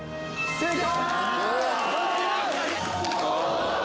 正解。